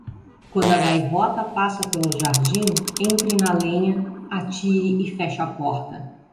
Quando a gaivota passa pelo jardim, entre na lenha, atire e feche a porta.